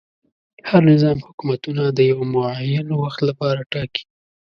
هر نظام حکومتونه د یوه معین وخت لپاره ټاکي.